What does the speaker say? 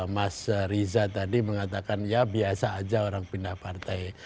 mas riza tadi mengatakan ya biasa aja orang pindah partai